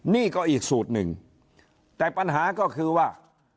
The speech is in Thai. นี่ก็อีกสูตรหนึ่งแต่ปัญหาก็คือว่า